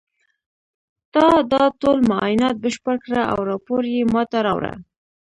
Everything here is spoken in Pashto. تا دا ټول معاینات بشپړ کړه او راپور یې ما ته راوړه